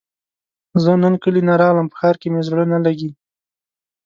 زۀ نن کلي نه راغلم په ښار کې مې زړه نه لګي